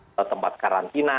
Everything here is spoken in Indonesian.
atau tempat karantina